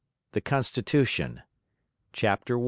THE CONSTITUTION. CHAPTER I.